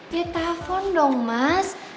ya telfon dong mas